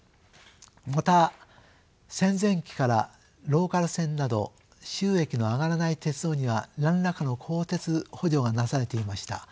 また戦前期からローカル線など収益の上がらない鉄道には何らかの公的補助がなされていました。